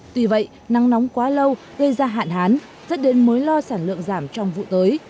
tuy vậy nắng nóng quá lâu gây ra hạn hán dẫn đến mối lo sản lượng giảm trong vụ tới